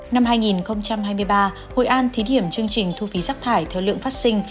năm hai nghìn hai mươi ba hội an thí điểm chương trình thu phí rác thải theo lượng phát sinh